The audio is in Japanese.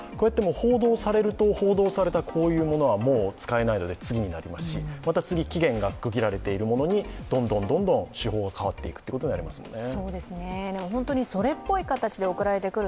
報道されると報道されたこういうものはもう使えないので次になりますしまた期限が区切られているものにどんどん手法が変わっていくことになりますね